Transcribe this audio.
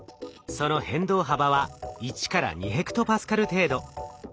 その変動幅は１２ヘクトパスカル程度。